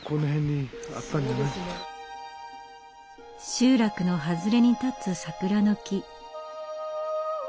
集落の外れに立つ桜の木。